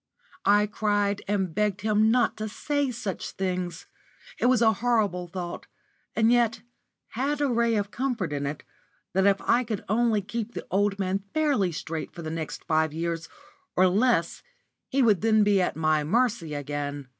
I cried and begged him not to say such things. It was a horrible thought, and yet had a ray of comfort in it, that if I could only keep the old man fairly straight for the next five years, or less, he would then be at my mercy again.